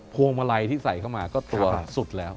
พวงมาลัยที่ใส่เข้ามาก็ตัวสุดแล้ว